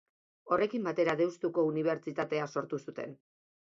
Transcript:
Horrekin batera Deustuko Unibertsitatea sortu zuten.